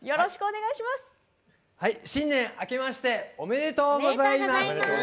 新年あけましておめでとうございます。